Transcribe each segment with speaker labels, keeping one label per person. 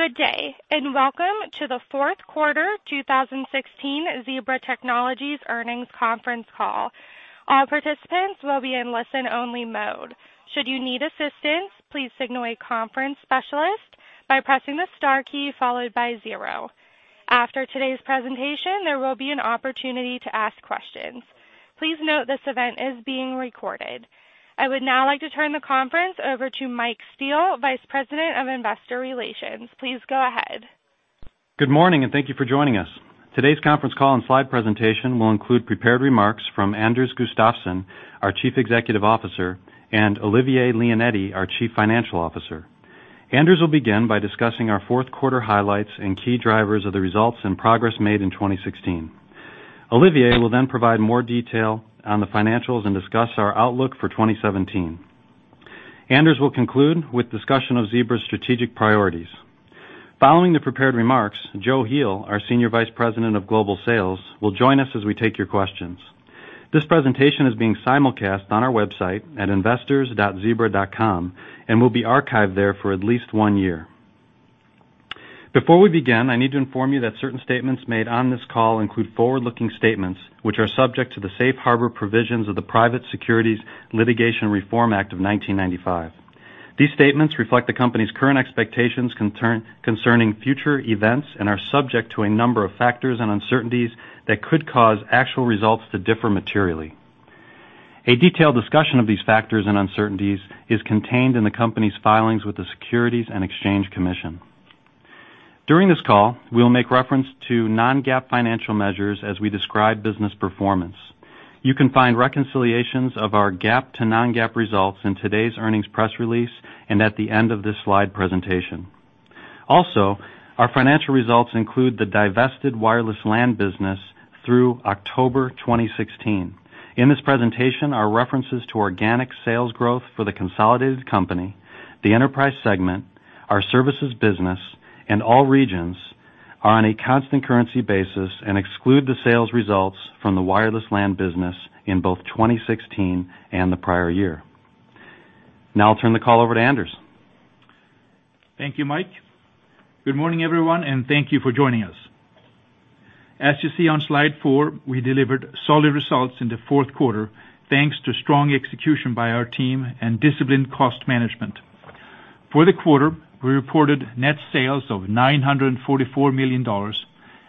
Speaker 1: Good day, and welcome to the fourth quarter 2016 Zebra Technologies earnings conference call. All participants will be in listen-only mode. Should you need assistance, please signal a conference specialist by pressing the star key followed by 0. After today's presentation, there will be an opportunity to ask questions. Please note this event is being recorded. I would now like to turn the conference over to Mike Steele, Vice President of Investor Relations. Please go ahead.
Speaker 2: Good morning, and thank you for joining us. Today's conference call and slide presentation will include prepared remarks from Anders Gustafsson, our Chief Executive Officer, and Olivier Leonetti, our Chief Financial Officer. Anders will begin by discussing our fourth quarter highlights and key drivers of the results and progress made in 2016. Olivier will provide more detail on the financials and discuss our outlook for 2017. Anders will conclude with discussion of Zebra's strategic priorities. Following the prepared remarks, Joe Heel, our Senior Vice President of Global Sales, will join us as we take your questions. This presentation is being simulcast on our website at investors.zebra.com and will be archived there for at least one year. Before we begin, I need to inform you that certain statements made on this call include forward-looking statements, which are subject to the safe harbor provisions of the Private Securities Litigation Reform Act of 1995. These statements reflect the company's current expectations concerning future events and are subject to a number of factors and uncertainties that could cause actual results to differ materially. A detailed discussion of these factors and uncertainties is contained in the company's filings with the Securities and Exchange Commission. During this call, we will make reference to non-GAAP financial measures as we describe business performance. You can find reconciliations of our GAAP to non-GAAP results in today's earnings press release and at the end of this slide presentation. Our financial results include the divested wireless LAN business through October 2016. In this presentation, our references to organic sales growth for the consolidated company, the enterprise segment, our services business, and all regions are on a constant currency basis and exclude the sales results from the wireless LAN business in both 2016 and the prior year. I'll turn the call over to Anders.
Speaker 3: Thank you, Mike. Good morning, everyone, thank you for joining us. As you see on slide four, we delivered solid results in the fourth quarter thanks to strong execution by our team and disciplined cost management. For the quarter, we reported net sales of $944 million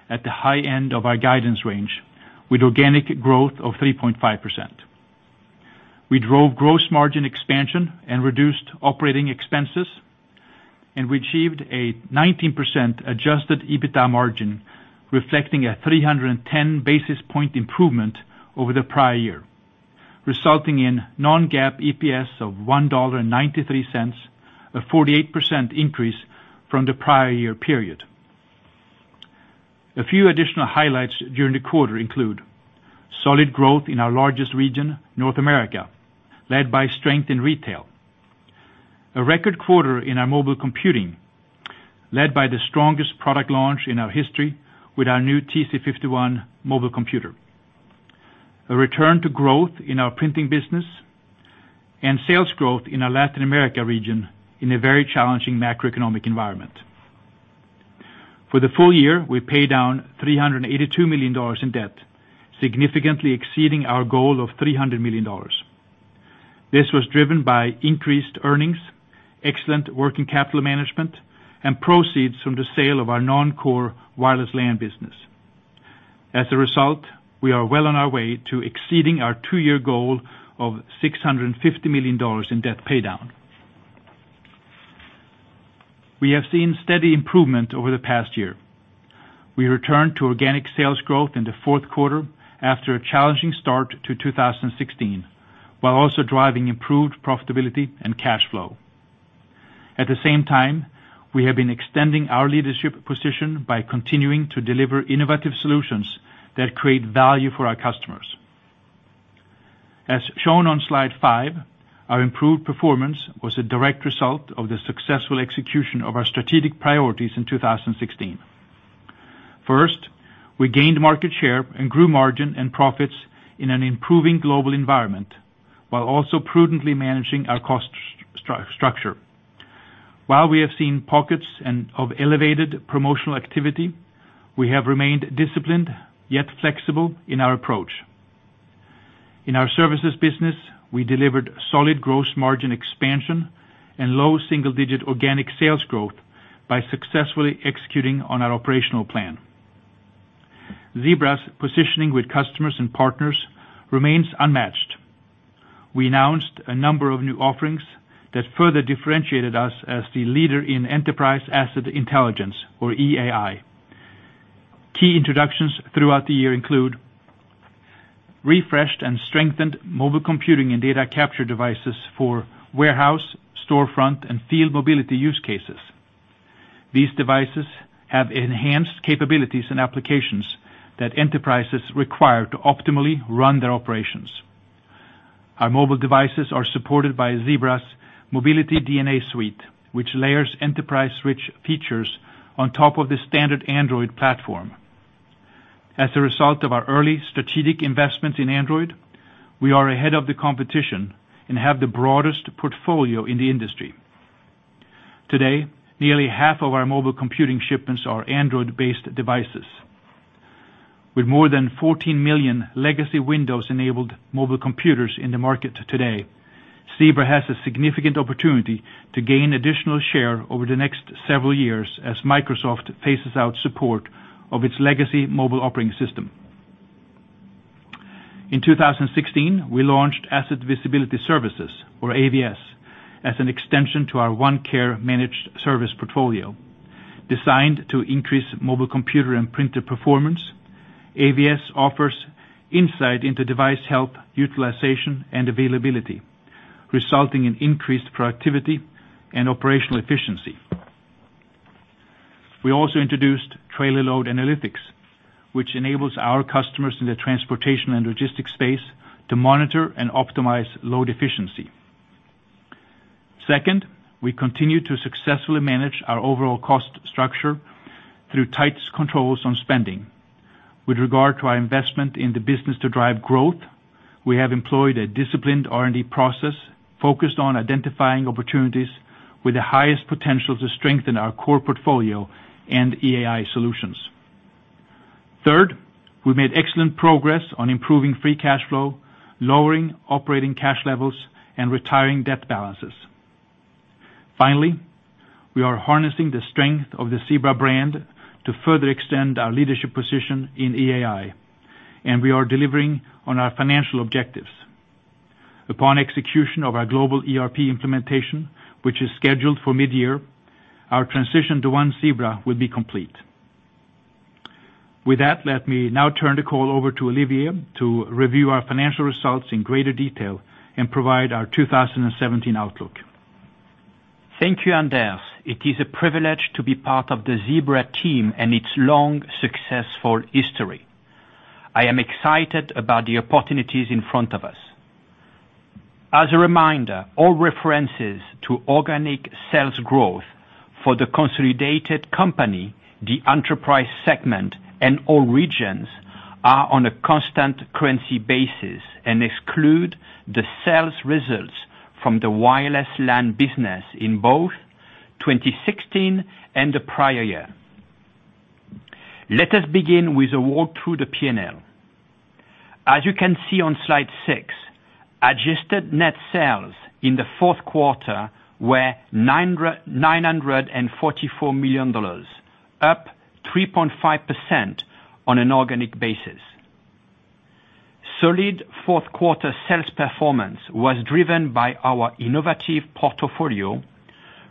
Speaker 3: at the high end of our guidance range with organic growth of 3.5%. We drove gross margin expansion and reduced operating expenses. We achieved a 19% adjusted EBITDA margin, reflecting a 310 basis point improvement over the prior year, resulting in non-GAAP EPS of $1.93, a 48% increase from the prior year period. A few additional highlights during the quarter include solid growth in our largest region, North America, led by strength in retail. A record quarter in our mobile computing, led by the strongest product launch in our history with our new TC51 mobile computer. A return to growth in our printing business. Sales growth in our Latin America region in a very challenging macroeconomic environment. For the full year, we paid down $382 million in debt, significantly exceeding our goal of $300 million. This was driven by increased earnings, excellent working capital management, and proceeds from the sale of our non-core wireless LAN business. As a result, we are well on our way to exceeding our two-year goal of $650 million in debt paydown. We have seen steady improvement over the past year. We returned to organic sales growth in the fourth quarter after a challenging start to 2016, while also driving improved profitability and cash flow. At the same time, we have been extending our leadership position by continuing to deliver innovative solutions that create value for our customers. As shown on slide five, our improved performance was a direct result of the successful execution of our strategic priorities in 2016. First, we gained market share and grew margin and profits in an improving global environment, while also prudently managing our cost structure. While we have seen pockets of elevated promotional activity, we have remained disciplined, yet flexible in our approach. In our services business, we delivered solid gross margin expansion and low single-digit organic sales growth by successfully executing on our operational plan. Zebra's positioning with customers and partners remains unmatched. We announced a number of new offerings that further differentiated us as the leader in enterprise asset intelligence, or EAI. Key introductions throughout the year include refreshed and strengthened mobile computing and data capture devices for warehouse, storefront, and field mobility use cases. These devices have enhanced capabilities and applications that enterprises require to optimally run their operations. Our mobile devices are supported by Zebra's Mobility DNA Suite, which layers enterprise-rich features on top of the standard Android platform. As a result of our early strategic investments in Android, we are ahead of the competition and have the broadest portfolio in the industry. Today, nearly half of our mobile computing shipments are Android-based devices. With more than 14 million legacy Windows-enabled mobile computers in the market today, Zebra has a significant opportunity to gain additional share over the next several years as Microsoft phases out support of its legacy mobile operating system. In 2016, we launched Asset Visibility Services, or AVS, as an extension to our OneCare managed service portfolio. Designed to increase mobile computer and printer performance, AVS offers insight into device health, utilization, and availability, resulting in increased productivity and operational efficiency. We also introduced Trailer Load Analytics, which enables our customers in the transportation and logistics space to monitor and optimize load efficiency. Second, we continue to successfully manage our overall cost structure through tight controls on spending. With regard to our investment in the business to drive growth, we have employed a disciplined R&D process focused on identifying opportunities with the highest potential to strengthen our core portfolio and EAI solutions. Third, we made excellent progress on improving free cash flow, lowering operating cash levels, and retiring debt balances. Finally, we are harnessing the strength of the Zebra brand to further extend our leadership position in EAI, and we are delivering on our financial objectives. Upon execution of our global ERP implementation, which is scheduled for mid-year, our transition to one Zebra will be complete. With that, let me now turn the call over to Olivier to review our financial results in greater detail and provide our 2017 outlook.
Speaker 4: Thank you, Anders. It is a privilege to be part of the Zebra team and its long, successful history. I am excited about the opportunities in front of us. As a reminder, all references to organic sales growth for the consolidated company, the Enterprise segment, and all regions, are on a constant currency basis and exclude the sales results from the wireless LAN business in both 2016 and the prior year. Let us begin with a walk through the P&L. As you can see on slide six, adjusted net sales in the fourth quarter were $944 million, up 3.5% on an organic basis. Solid fourth quarter sales performance was driven by our innovative portfolio,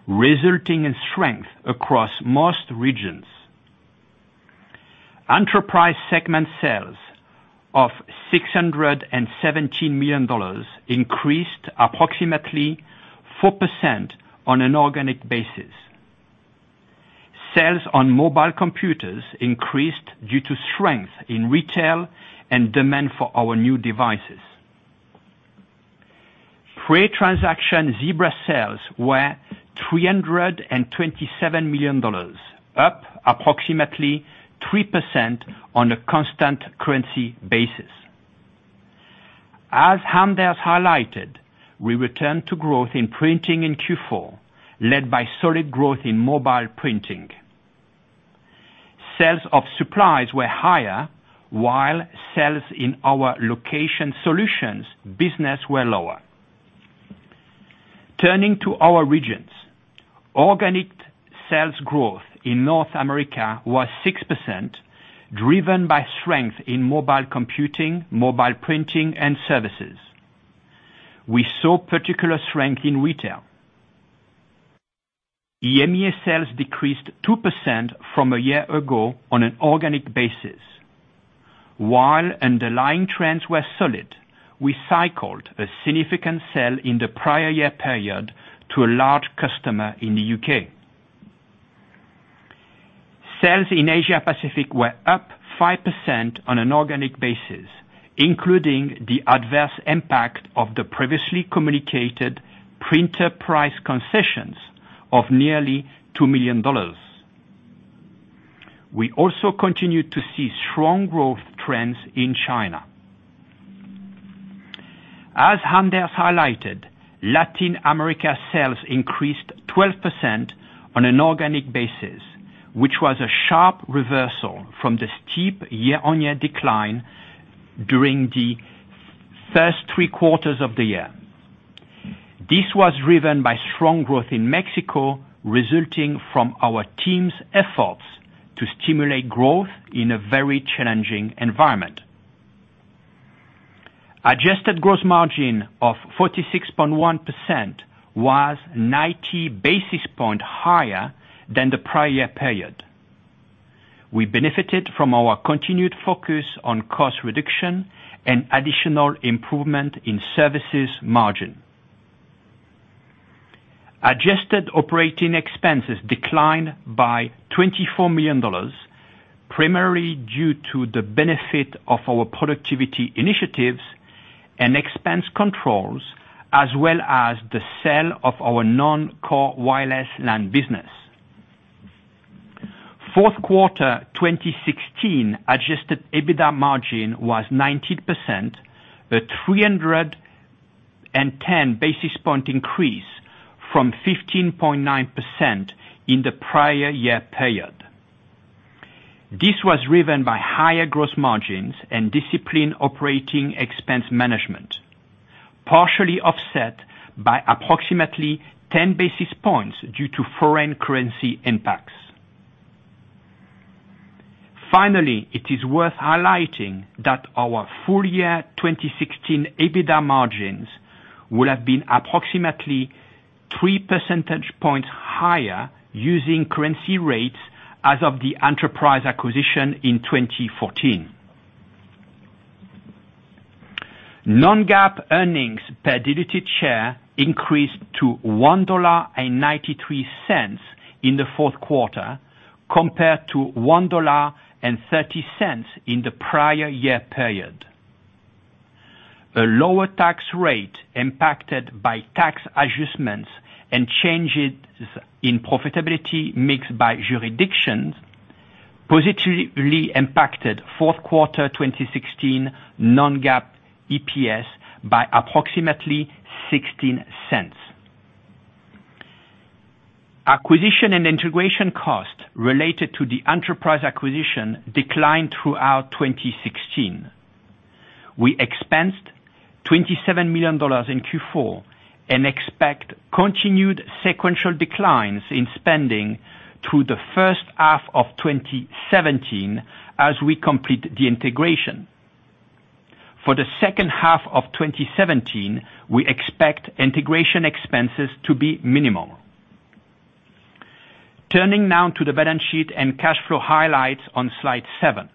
Speaker 4: resulting in strength across most regions. Enterprise segment sales of $617 million increased approximately 4% on an organic basis. Sales on mobile computers increased due to strength in retail and demand for our new devices. Pre-transaction Zebra sales were $327 million, up approximately 3% on a constant currency basis. As Anders highlighted, we returned to growth in printing in Q4, led by solid growth in mobile printing. Sales of supplies were higher, while sales in our location solutions business were lower. Turning to our regions, organic sales growth in North America was 6%, driven by strength in mobile computing, mobile printing, and services. We saw particular strength in retail. EMEA sales decreased 2% from a year ago on an organic basis. While underlying trends were solid, we cycled a significant sale in the prior year period to a large customer in the U.K. Sales in Asia Pacific were up 5% on an organic basis, including the adverse impact of the previously communicated printer price concessions of nearly $2 million. We also continued to see strong growth trends in China. As Anders highlighted, Latin America sales increased 12% on an organic basis, which was a sharp reversal from the steep year-on-year decline during the first three quarters of the year. This was driven by strong growth in Mexico, resulting from our team's efforts to stimulate growth in a very challenging environment. Adjusted gross margin of 46.1% was 90 basis point higher than the prior year period. We benefited from our continued focus on cost reduction and additional improvement in services margin. Adjusted operating expenses declined by $24 million, primarily due to the benefit of our productivity initiatives and expense controls, as well as the sale of our non-core wireless LAN business. Fourth quarter 2016 adjusted EBITDA margin was 19%, a 310 basis point increase from 15.9% in the prior year period. This was driven by higher gross margins and disciplined operating expense management, partially offset by approximately 10 basis points due to foreign currency impacts. Finally, it is worth highlighting that our full year 2016 EBITDA margins would have been approximately three percentage points higher using currency rates as of the Enterprise acquisition in 2014. Non-GAAP earnings per diluted share increased to $1.93 in the fourth quarter, compared to $1.30 in the prior year period. A lower tax rate impacted by tax adjustments and changes in profitability mix by jurisdictions positively impacted fourth quarter 2016 non-GAAP EPS by approximately $0.16. Acquisition and integration costs related to the Enterprise acquisition declined throughout 2016. We expensed $27 million in Q4 and expect continued sequential declines in spending through the first half of 2017 as we complete the integration. For the second half of 2017, we expect integration expenses to be minimal. Turning now to the balance sheet and cash flow highlights on slide seven.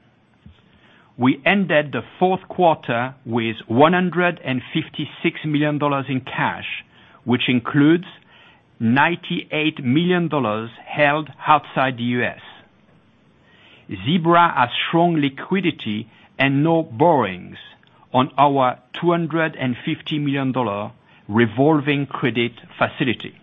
Speaker 4: We ended the fourth quarter with $156 million in cash, which includes $98 million held outside the U.S. Zebra has strong liquidity and no borrowings on our $250 million revolving credit facility.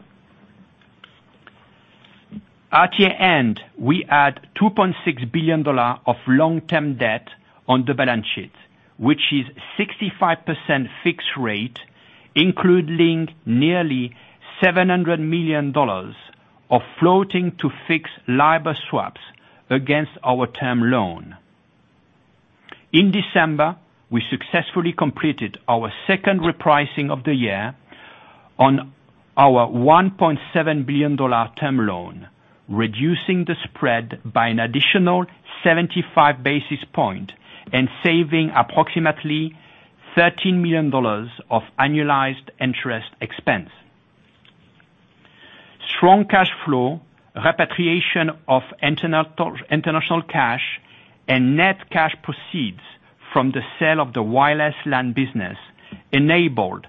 Speaker 4: At year-end, we had $2.6 billion of long-term debt on the balance sheet, which is 65% fixed rate, including nearly $700 million of floating to fixed LIBOR swaps against our term loan. In December, we successfully completed our second repricing of the year on our $1.7 billion term loan, reducing the spread by an additional 75 basis point and saving approximately $13 million of annualized interest expense. Strong cash flow, repatriation of international cash, and net cash proceeds from the sale of the wireless LAN business enabled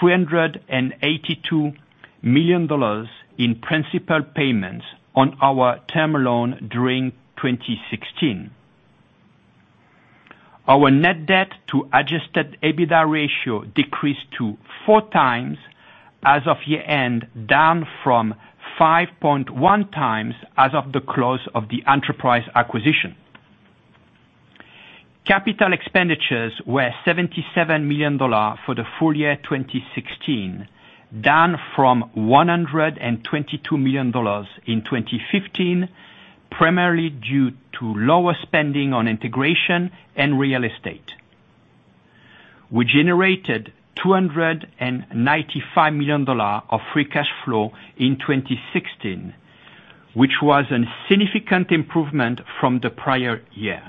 Speaker 4: $282 million in principal payments on our term loan during 2016. Our net debt to adjusted EBITDA ratio decreased to four times as of year-end, down from 5.1 times as of the close of the Enterprise acquisition. Capital expenditures were $77 million for the full year 2016, down from $122 million in 2015, primarily due to lower spending on integration and real estate. We generated $295 million of free cash flow in 2016, which was a significant improvement from the prior year.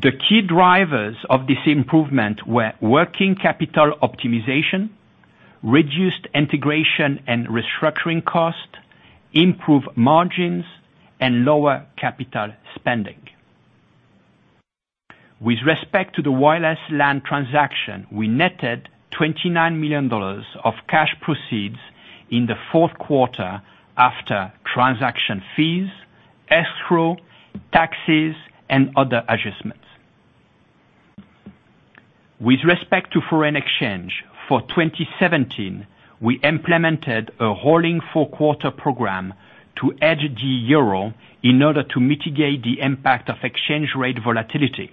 Speaker 4: The key drivers of this improvement were working capital optimization, reduced integration and restructuring costs, improved margins, and lower capital spending. With respect to the wireless LAN transaction, we netted $29 million of cash proceeds in the fourth quarter after transaction fees, escrow, taxes, and other adjustments. With respect to foreign exchange for 2017, we implemented a rolling four-quarter program to hedge the euro in order to mitigate the impact of exchange rate volatility.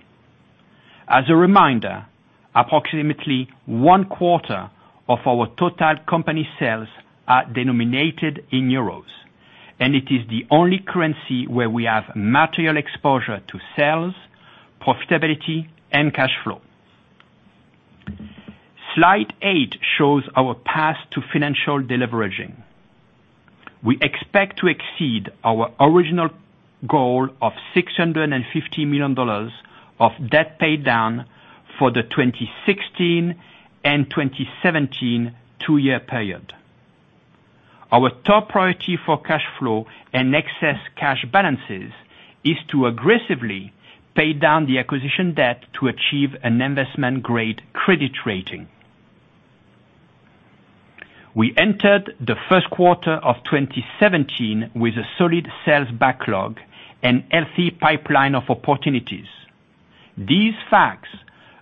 Speaker 4: As a reminder, approximately one quarter of our total company sales are denominated in euros, and it is the only currency where we have material exposure to sales, profitability, and cash flow. Slide eight shows our path to financial deleveraging. We expect to exceed our original goal of $650 million of debt paydown for the 2016 and 2017 two-year period. Our top priority for cash flow and excess cash balances is to aggressively pay down the acquisition debt to achieve an investment-grade credit rating. We entered the first quarter of 2017 with a solid sales backlog and healthy pipeline of opportunities. These facts,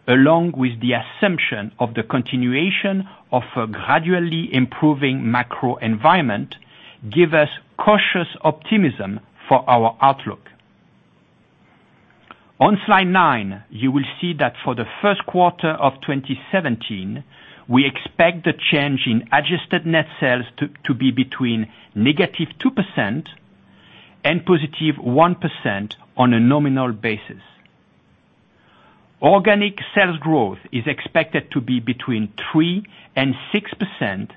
Speaker 4: along with the assumption of the continuation of a gradually improving macro environment, give us cautious optimism for our outlook. On slide nine, you will see that for the first quarter of 2017, we expect the change in adjusted net sales to be between negative 2% and positive 1% on a nominal basis. Organic sales growth is expected to be between 3% and 6%,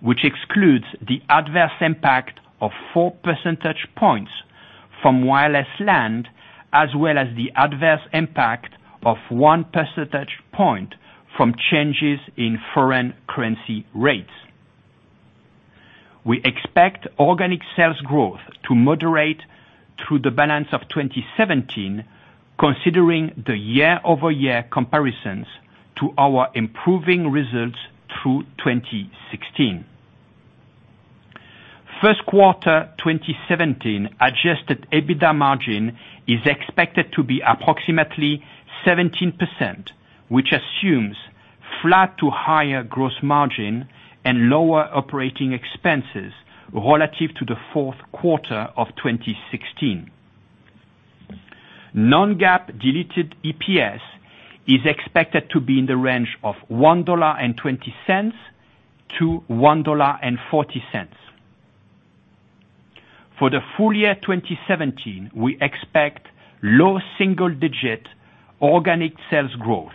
Speaker 4: which excludes the adverse impact of four percentage points from wireless LAN, as well as the adverse impact of one percentage point from changes in foreign currency rates. We expect organic sales growth to moderate through the balance of 2017 considering the year-over-year comparisons to our improving results through 2016. First quarter 2017 adjusted EBITDA margin is expected to be approximately 17%, which assumes flat to higher gross margin and lower operating expenses relative to the fourth quarter of 2016. Non-GAAP diluted EPS is expected to be in the range of $1.20 to $1.40. For the full year 2017, we expect low single-digit organic sales growth.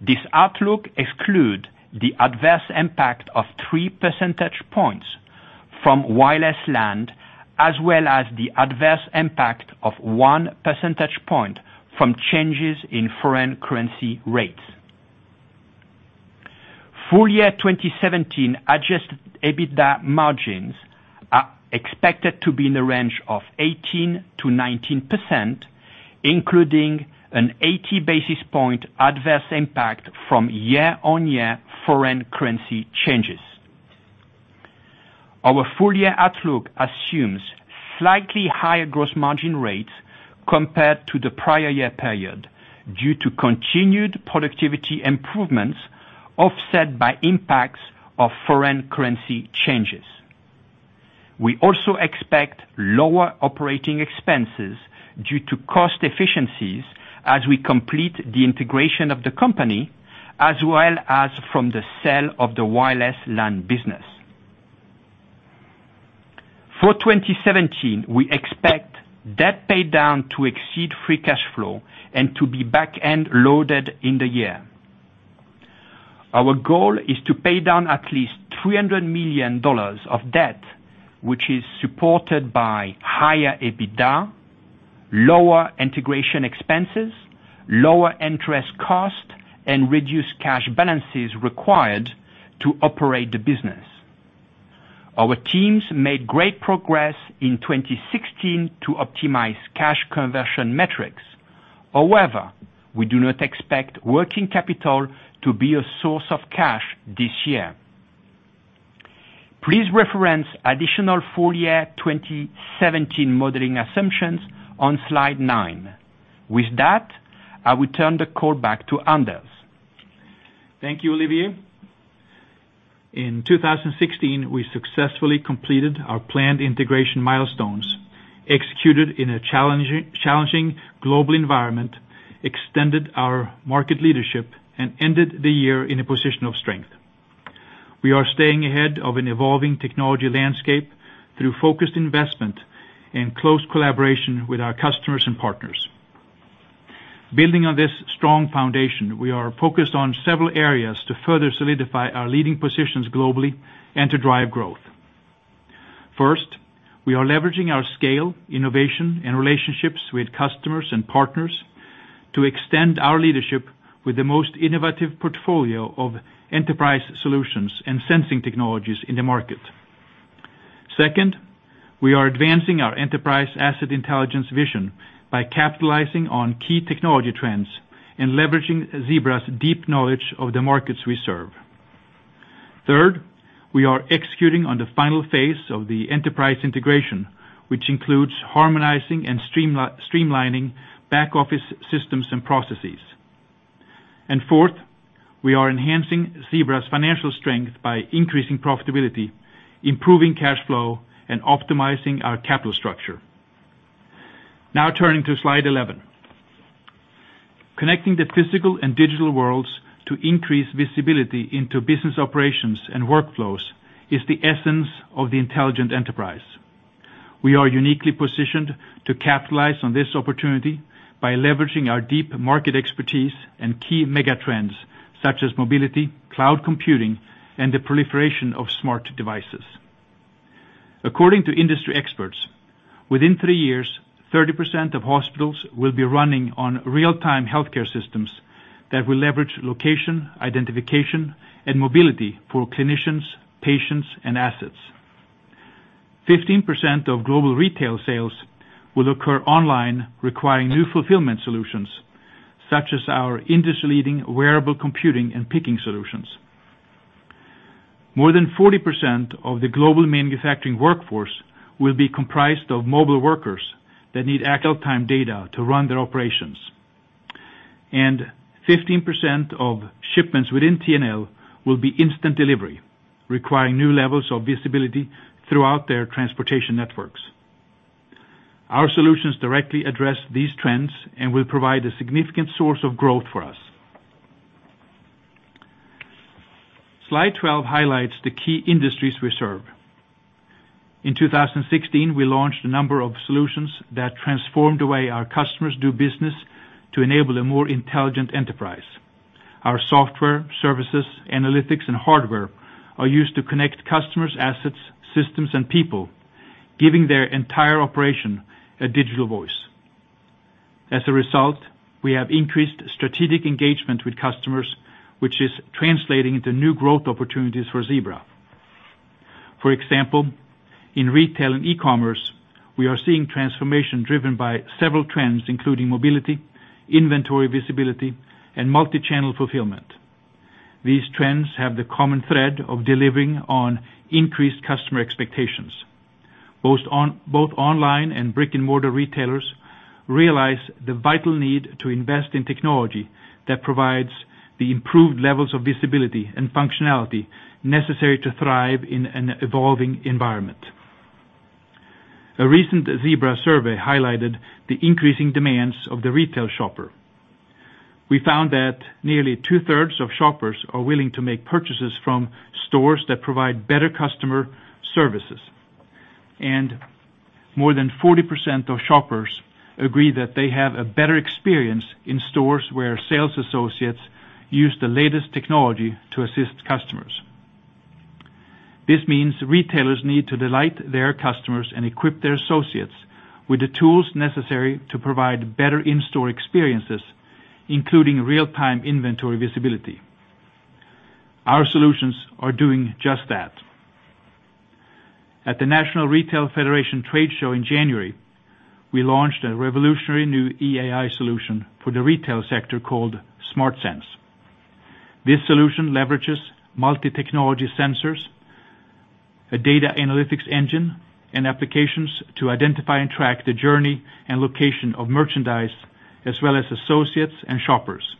Speaker 4: This outlook excludes the adverse impact of three percentage points from wireless LAN, as well as the adverse impact of one percentage point from changes in foreign currency rates. Full year 2017 adjusted EBITDA margins are expected to be in the range of 18%-19%, including an 80 basis point adverse impact from year-on-year foreign currency changes. Our full year outlook assumes slightly higher gross margin rates compared to the prior year period due to continued productivity improvements offset by impacts of foreign currency changes. We also expect lower operating expenses due to cost efficiencies as we complete the integration of the company, as well as from the sale of the wireless LAN business. For 2017, we expect debt paydown to exceed free cash flow and to be back-end loaded in the year. Our goal is to pay down at least $300 million of debt, which is supported by higher EBITDA, lower integration expenses, lower interest cost, and reduced cash balances required to operate the business. Our teams made great progress in 2016 to optimize cash conversion metrics. However, we do not expect working capital to be a source of cash this year. Please reference additional full year 2017 modeling assumptions on slide nine. With that, I will turn the call back to Anders.
Speaker 3: Thank you, Olivier. In 2016, we successfully completed our planned integration milestones, executed in a challenging global environment, extended our market leadership, and ended the year in a position of strength. We are staying ahead of an evolving technology landscape through focused investment and close collaboration with our customers and partners. Building on this strong foundation, we are focused on several areas to further solidify our leading positions globally and to drive growth. First, we are leveraging our scale, innovation, and relationships with customers and partners to extend our leadership with the most innovative portfolio of enterprise solutions and sensing technologies in the market. Second, we are advancing our enterprise asset intelligence vision by capitalizing on key technology trends and leveraging Zebra's deep knowledge of the markets we serve. Third, we are executing on the final phase of the enterprise integration, which includes harmonizing and streamlining back-office systems and processes. Fourth, we are enhancing Zebra's financial strength by increasing profitability, improving cash flow, and optimizing our capital structure. Now turning to slide 11. Connecting the physical and digital worlds to increase visibility into business operations and workflows is the essence of the intelligent enterprise. We are uniquely positioned to capitalize on this opportunity by leveraging our deep market expertise and key mega trends such as mobility, cloud computing, and the proliferation of smart devices. According to industry experts, within three years, 30% of hospitals will be running on real-time healthcare systems that will leverage location, identification, and mobility for clinicians, patients, and assets. 15% of global retail sales will occur online, requiring new fulfillment solutions, such as our industry-leading wearable computing and picking solutions. More than 40% of the global manufacturing workforce will be comprised of mobile workers that need actual time data to run their operations. 15% of shipments within T&L will be instant delivery, requiring new levels of visibility throughout their transportation networks. Our solutions directly address these trends and will provide a significant source of growth for us. Slide 12 highlights the key industries we serve. In 2016, we launched a number of solutions that transformed the way our customers do business to enable a more intelligent enterprise. Our software, services, analytics, and hardware are used to connect customers, assets, systems, and people, giving their entire operation a digital voice. As a result, we have increased strategic engagement with customers, which is translating into new growth opportunities for Zebra. For example, in retail and e-commerce, we are seeing transformation driven by several trends, including mobility, inventory visibility, and multi-channel fulfillment. These trends have the common thread of delivering on increased customer expectations. Both online and brick-and-mortar retailers realize the vital need to invest in technology that provides the improved levels of visibility and functionality necessary to thrive in an evolving environment. A recent Zebra survey highlighted the increasing demands of the retail shopper. We found that nearly two-thirds of shoppers are willing to make purchases from stores that provide better customer services. More than 40% of shoppers agree that they have a better experience in stores where sales associates use the latest technology to assist customers. This means retailers need to delight their customers and equip their associates with the tools necessary to provide better in-store experiences, including real-time inventory visibility. Our solutions are doing just that. At the National Retail Federation trade show in January, we launched a revolutionary new EAI solution for the retail sector called SmartSense. This solution leverages multi-technology sensors, a data analytics engine, and applications to identify and track the journey and location of merchandise, as well as associates and shoppers.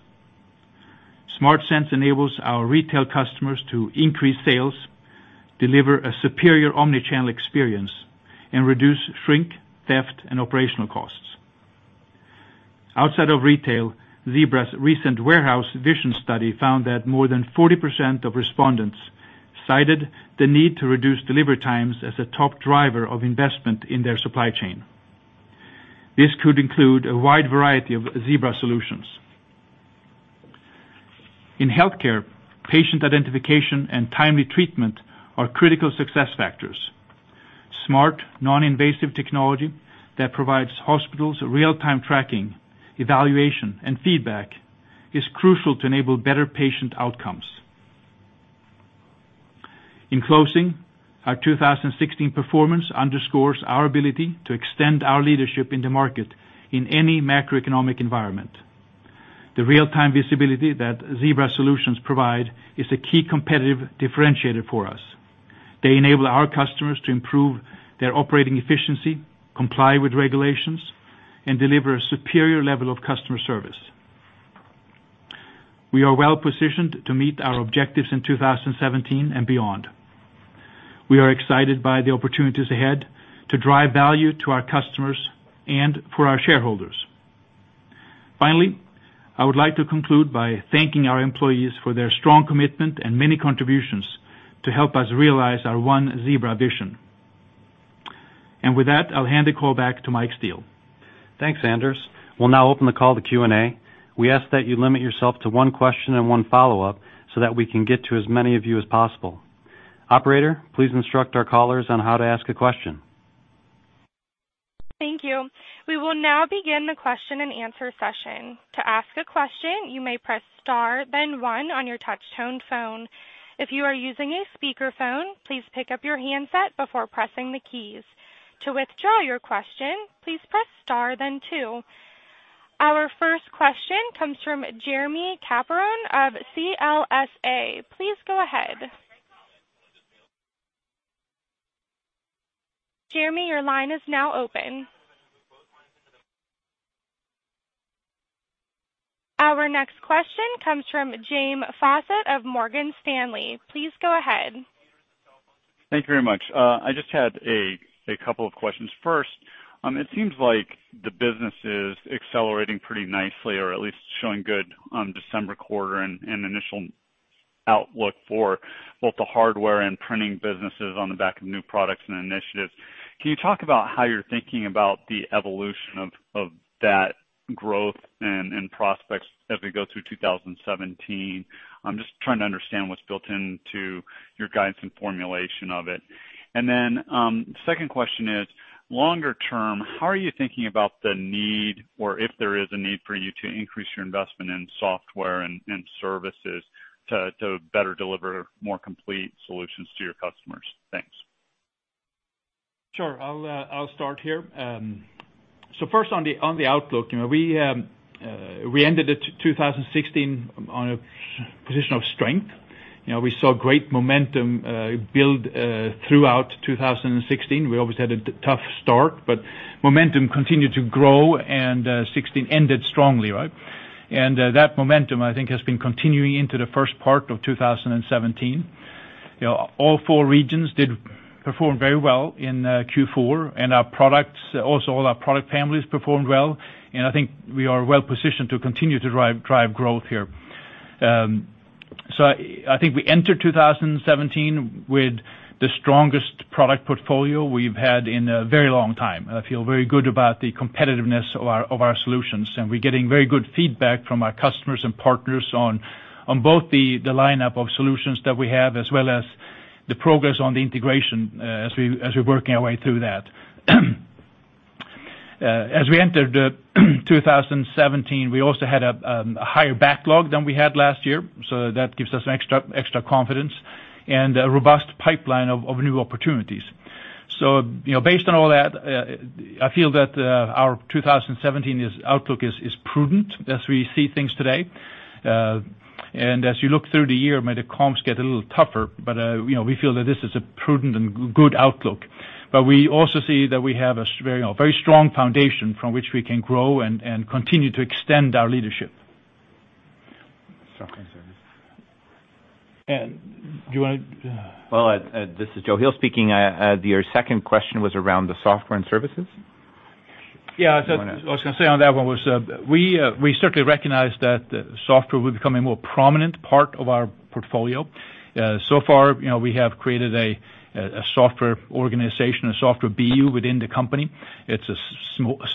Speaker 3: SmartSense enables our retail customers to increase sales, deliver a superior omni-channel experience, and reduce shrink, theft, and operational costs. Outside of retail, Zebra's recent warehouse vision study found that more than 40% of respondents cited the need to reduce delivery times as a top driver of investment in their supply chain. This could include a wide variety of Zebra solutions. In healthcare, patient identification, and timely treatment are critical success factors. Smart, non-invasive technology that provides hospitals real-time tracking, evaluation, and feedback is crucial to enable better patient outcomes. In closing, our 2016 performance underscores our ability to extend our leadership in the market in any macroeconomic environment. The real-time visibility that Zebra solutions provide is a key competitive differentiator for us. They enable our customers to improve their operating efficiency, comply with regulations, and deliver a superior level of customer service. We are well-positioned to meet our objectives in 2017 and beyond. We are excited by the opportunities ahead to drive value to our customers and for our shareholders. Finally, I would like to conclude by thanking our employees for their strong commitment and many contributions to help us realize our One Zebra vision. With that, I'll hand the call back to Mike Steele.
Speaker 2: Thanks, Anders. We'll now open the call to Q&A. We ask that you limit yourself to one question and one follow-up so that we can get to as many of you as possible. Operator, please instruct our callers on how to ask a question.
Speaker 1: Thank you. We will now begin the question and answer session. To ask a question, you may press star then one on your touch tone phone. If you are using a speakerphone, please pick up your handset before pressing the keys. To withdraw your question, please press star then two. Our first question comes from Jeremy Capron of CLSA. Please go ahead. Jeremy, your line is now open. Our next question comes from James Faucette of Morgan Stanley. Please go ahead.
Speaker 5: Thank you very much. I just had a couple of questions. First, it seems like the business is accelerating pretty nicely or at least showing good on December quarter and initial outlook for both the hardware and printing businesses on the back of new products and initiatives. Can you talk about how you're thinking about the evolution of that growth and prospects as we go through 2017? I'm just trying to understand what's built into your guidance and formulation of it. Second question is Longer term, how are you thinking about the need, or if there is a need for you to increase your investment in software and services to better deliver more complete solutions to your customers? Thanks.
Speaker 3: Sure. I'll start here. First, on the outlook. We ended 2016 on a position of strength. We saw great momentum build throughout 2016. We always had a tough start, but momentum continued to grow, and 2016 ended strongly, right? That momentum, I think, has been continuing into the first part of 2017. All four regions did perform very well in Q4, and also all our product families performed well. I think we are well-positioned to continue to drive growth here. I think we entered 2017 with the strongest product portfolio we've had in a very long time. I feel very good about the competitiveness of our solutions, and we're getting very good feedback from our customers and partners on both the lineup of solutions that we have as well as the progress on the integration as we're working our way through that. As we entered 2017, we also had a higher backlog than we had last year, so that gives us extra confidence, and a robust pipeline of new opportunities. Based on all that, I feel that our 2017 outlook is prudent as we see things today. As you look through the year, may the comps get a little tougher, but we feel that this is a prudent and good outlook. We also see that we have a very strong foundation from which we can grow and continue to extend our leadership.
Speaker 6: Software and services. Do you want to, well, this is Joe Heel speaking. Your second question was around the software and services?
Speaker 3: Yeah.
Speaker 6: You want to
Speaker 3: I was going to say on that one was, we certainly recognize that software will become a more prominent part of our portfolio. So far, we have created a software organization, a software BU within the company. It's a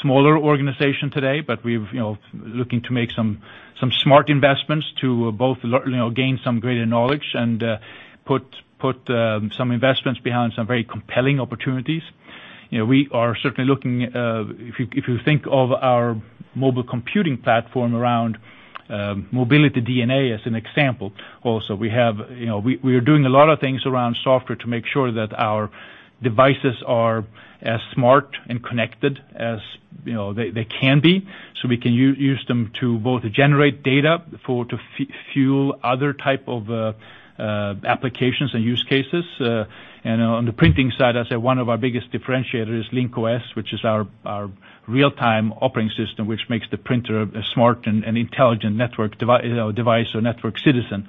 Speaker 3: smaller organization today, but we're looking to make some smart investments to both gain some greater knowledge and put some investments behind some very compelling opportunities. We are certainly looking, if you think of our mobile computing platform around Mobility DNA as an example, also. We are doing a lot of things around software to make sure that our devices are as smart and connected as they can be, so we can use them to both generate data to fuel other type of applications and use cases. On the printing side, I'd say one of our biggest differentiators is Link-OS, which is our real-time operating system, which makes the printer a smart and intelligent network device or network citizen.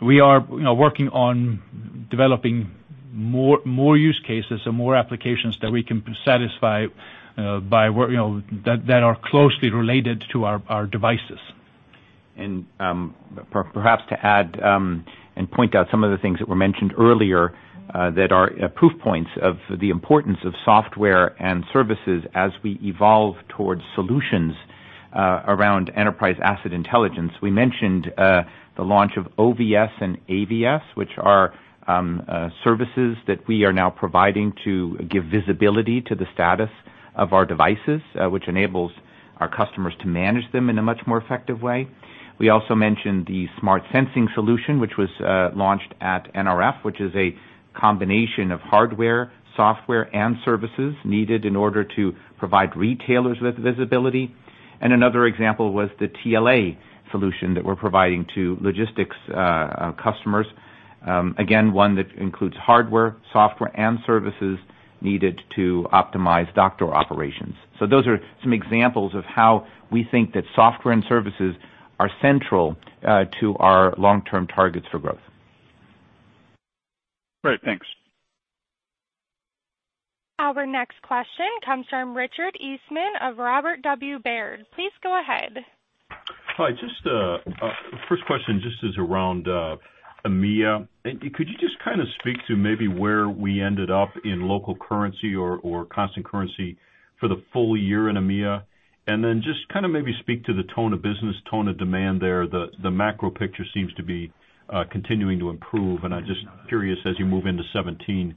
Speaker 3: We are working on developing more use cases and more applications that we can satisfy that are closely related to our devices.
Speaker 6: Perhaps to add and point out some of the things that were mentioned earlier that are proof points of the importance of software and services as we evolve towards solutions around enterprise asset intelligence. We mentioned the launch of OVS and AVS, which are services that we are now providing to give visibility to the status of our devices, which enables our customers to manage them in a much more effective way. We also mentioned the SmartSense solution, which was launched at NRF, which is a combination of hardware, software, and services needed in order to provide retailers with visibility. Another example was the TLA solution that we're providing to logistics customers. Again, one that includes hardware, software, and services needed to optimize dock door operations. Those are some examples of how we think that software and services are central to our long-term targets for growth.
Speaker 5: Great. Thanks.
Speaker 1: Our next question comes from Richard Eastman of Robert W. Baird. Please go ahead.
Speaker 7: Hi. First question just is around EMEA. Could you just kind of speak to maybe where we ended up in local currency or constant currency for the full year in EMEA? Then just kind of maybe speak to the tone of business, tone of demand there. The macro picture seems to be continuing to improve, and I'm just curious, as you move into 2017,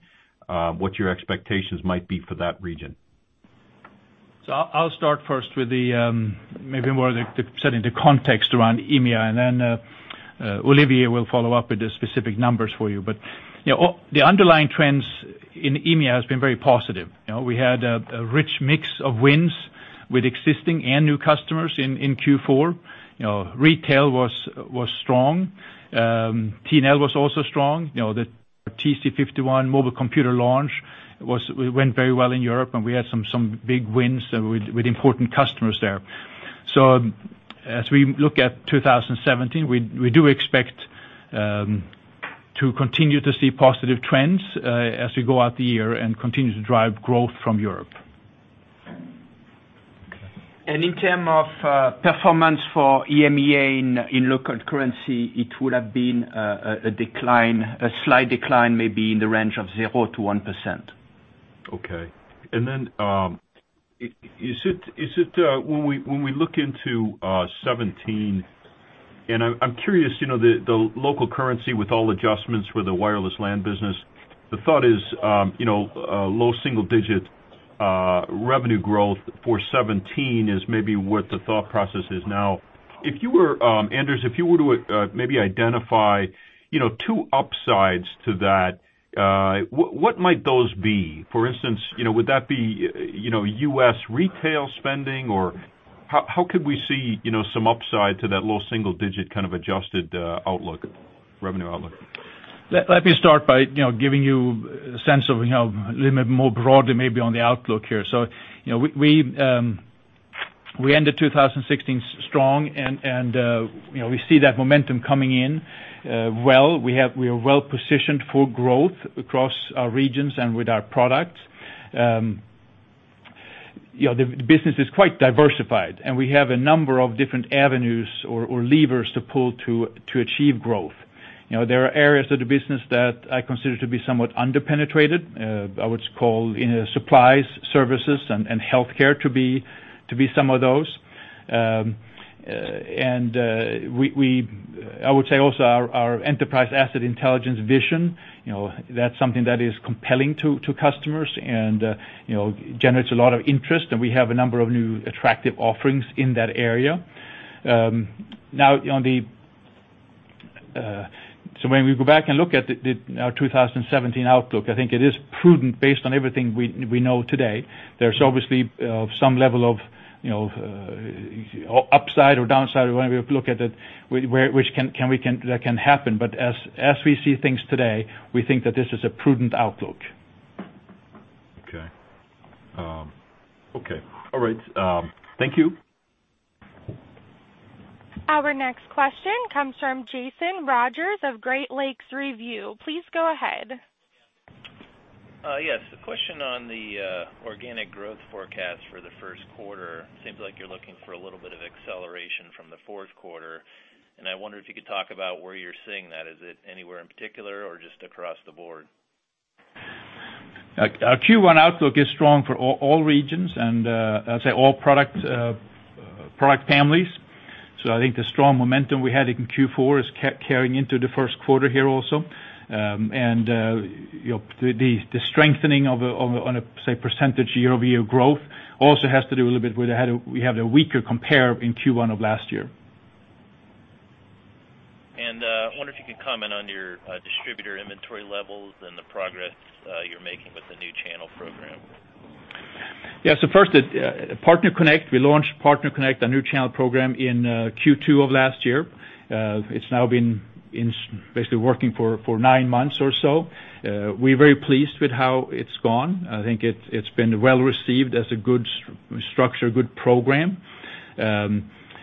Speaker 7: what your expectations might be for that region.
Speaker 3: I'll start first with maybe more the setting the context around EMEA, and then Olivier will follow up with the specific numbers for you. The underlying trends in EMEA has been very positive. We had a rich mix of wins with existing and new customers in Q4. Retail was strong. T&L was also strong. The TC51 mobile computer launch went very well in Europe, and we had some big wins with important customers there. As we look at 2017, we do expect to continue to see positive trends as we go out the year and continue to drive growth from Europe.
Speaker 4: In terms of performance for EMEA in local currency, it would have been a slight decline, maybe in the range of 0%-1%.
Speaker 7: Okay. Then, when we look into 2017. I'm curious, the local currency with all adjustments for the wireless LAN business, the thought is low single-digit revenue growth for 2017 is maybe what the thought process is now. Anders, if you were to maybe identify two upsides to that, what might those be? For instance, would that be U.S. retail spending, or how could we see some upside to that low single-digit kind of adjusted revenue outlook?
Speaker 3: Let me start by giving you a sense of a little bit more broadly maybe on the outlook here. We ended 2016 strong and we see that momentum coming in well. We are well-positioned for growth across our regions and with our products. The business is quite diversified, and we have a number of different avenues or levers to pull to achieve growth. There are areas of the business that I consider to be somewhat under-penetrated. I would call supplies, services, and healthcare to be some of those. I would say also our enterprise asset intelligence vision, that's something that is compelling to customers and generates a lot of interest, and we have a number of new attractive offerings in that area. When we go back and look at our 2017 outlook, I think it is prudent based on everything we know today. There's obviously some level of upside or downside whenever you look at it, that can happen. As we see things today, we think that this is a prudent outlook.
Speaker 7: Okay. All right. Thank you.
Speaker 1: Our next question comes from Jason Rodgers of Great Lakes Review. Please go ahead.
Speaker 8: Yes. A question on the organic growth forecast for the first quarter. Seems like you're looking for a little bit of acceleration from the fourth quarter. I wonder if you could talk about where you're seeing that. Is it anywhere in particular or just across the board?
Speaker 3: Our Q1 outlook is strong for all regions. I'll say all product families. I think the strong momentum we had in Q4 is carrying into the first quarter here also. The strengthening on a, say, percentage year-over-year growth also has to do a little bit with we had a weaker compare in Q1 of last year.
Speaker 8: I wonder if you could comment on your distributor inventory levels and the progress you're making with the new channel program.
Speaker 3: Yeah. First, PartnerConnect. We launched PartnerConnect, a new channel program in Q2 of last year. It's now been basically working for nine months or so. We're very pleased with how it's gone. I think it's been well received as a good structure, good program.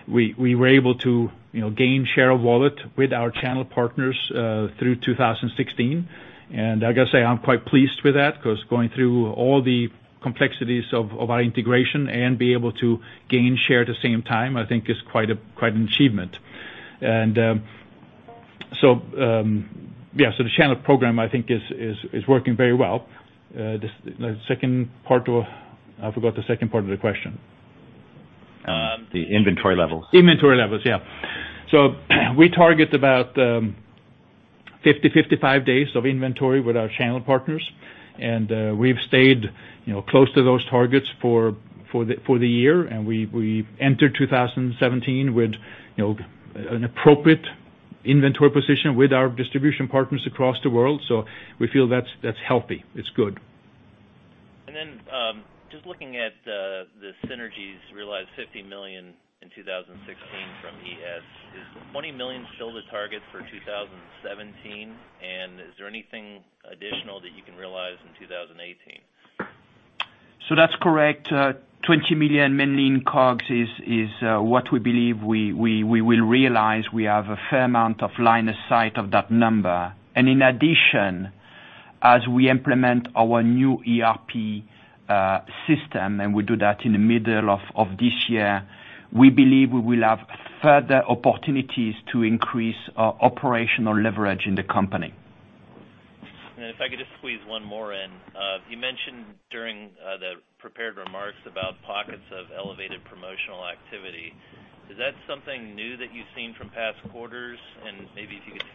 Speaker 3: We were able to gain share of wallet with our channel partners through 2016. I've got to say, I'm quite pleased with that because going through all the complexities of our integration and being able to gain share at the same time, I think is quite an achievement. The channel program, I think, is working very well. I forgot the second part of the question.
Speaker 8: The inventory levels.
Speaker 3: Inventory levels. Yeah. We target about 50, 55 days of inventory with our channel partners, and we've stayed close to those targets for the year. We've entered 2017 with an appropriate inventory position with our distribution partners across the world. We feel that's healthy. It's good.
Speaker 8: Just looking at the synergies realized $50 million in 2016 from ES. Is $20 million still the target for 2017? Is there anything additional that you can realize in 2018?
Speaker 3: That's correct. $20 million mainly in COGS is what we believe we will realize. We have a fair amount of line of sight of that number. In addition, as we implement our new ERP system, and we do that in the middle of this year, we believe we will have further opportunities to increase our operational leverage in the company.
Speaker 8: If I could just squeeze one more in. You mentioned during the prepared remarks about pockets of elevated promotional activity. Is that something new that you've seen from past quarters? Maybe if you could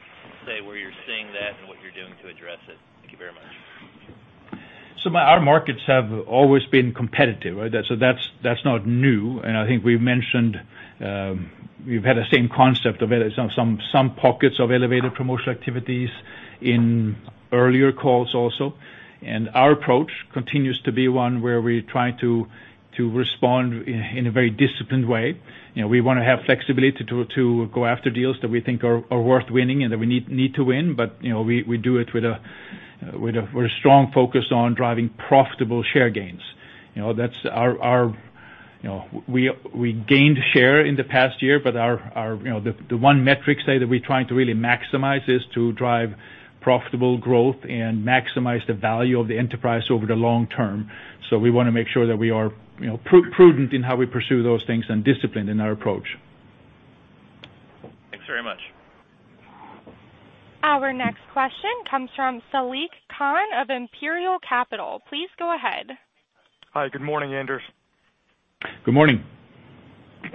Speaker 8: say where you're seeing that and what you're doing to address it. Thank you very much.
Speaker 3: Our markets have always been competitive. That's not new. I think we've mentioned we've had the same concept of some pockets of elevated promotional activities in earlier calls also. Our approach continues to be one where we try to respond in a very disciplined way. We want to have flexibility to go after deals that we think are worth winning and that we need to win. We do it with a strong focus on driving profitable share gains. We gained share in the past year, but the one metric, say, that we're trying to really maximize is to drive profitable growth and maximize the value of the enterprise over the long term. We want to make sure that we are prudent in how we pursue those things and disciplined in our approach.
Speaker 8: Thanks very much.
Speaker 1: Our next question comes from Saliq Khan of Imperial Capital. Please go ahead.
Speaker 9: Hi. Good morning, Anders.
Speaker 3: Good morning.